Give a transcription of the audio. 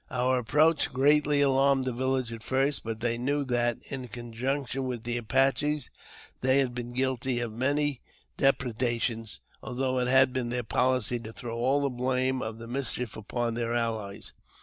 Our approach greatly alarmed the village at first, for they knew that, in conjunction with the Apaches, they had been guilty of many depredations, although it had been their policy to throw all the blame of the mischief upon their allies.